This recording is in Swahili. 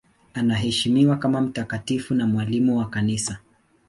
Anaheshimiwa kama mtakatifu na mwalimu wa Kanisa.